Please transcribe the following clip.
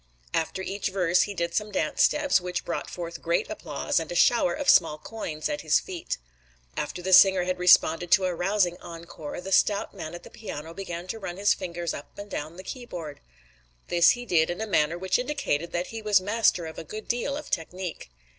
After each verse he did some dance steps, which brought forth great applause and a shower of small coins at his feet. After the singer had responded to a rousing encore, the stout man at the piano began to run his fingers up and down the keyboard. This he did in a manner which indicated that he was master of a good deal of technique.